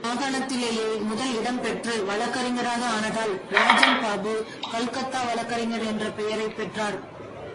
மாகாணத்திலேயே முதல் இடம்பெற்று வழக்கறிஞராக ஆனதால், ராஜன் பாபு கல்கத்தா வழக்கறிஞர் என்ற பெயரைப் பெற்றார்.